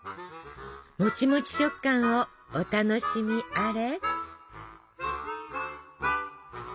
もちもち食感をお楽しみあれ。